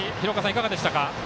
いかがでしたか？